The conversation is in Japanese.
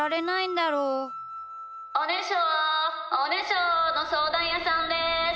「おねしょおねしょのそうだんやさんです！